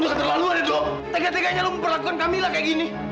kamilah lu jangan berdekat terlalu adek dekatnya lu memperlakukan kamilah kayak gini